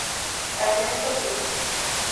Ernesto Filippi.